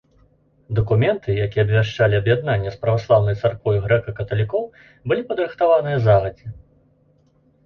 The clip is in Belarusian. Дакументы, якія абвяшчалі аб'яднанне з праваслаўнай царквой грэка-каталікоў былі падрыхтаваныя загадзя.